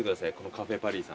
カフェ・パリーさん。